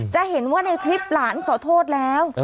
จะเห็นว่าในคลิปหลานขอโทษแล้ว